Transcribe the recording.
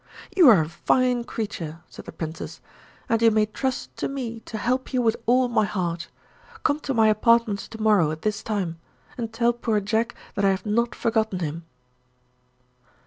"You are a fine creature," said the Princess, "and you may trust to me to help you with all my heart. Come to my apartments tomorrow at this time and tell poor Jack that I have not forgotten him."